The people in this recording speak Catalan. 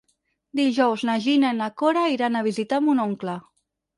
Dijous na Gina i na Cora iran a visitar mon oncle.